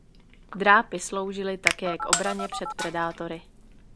Drápy sloužily také k obraně před predátory.